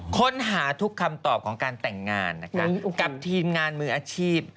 ค้นหาทุกคำตอบของการแต่งงานนะคะกับทีมงานมืออาชีพ